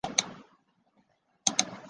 贵州贵阳府人。